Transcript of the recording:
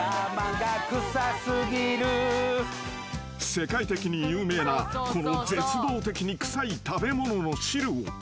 ［世界的に有名なこの絶望的に臭い食べ物の汁を］